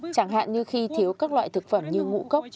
chẳng hạn như khi thiếu các loại thực phẩm như ngũ cốc